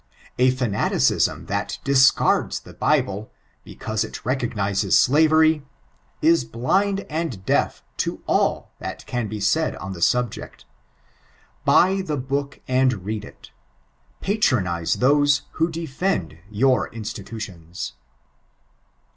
A fanaticlam that discards the Bible, because it recognises slavery, ia blind and deaf to all that can be said on the salject. Buy ikt book aud read ii. Patronise tlioao who defend your Institutioos.